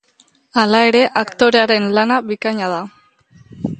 Hala ere aktorearen lana bikaina da.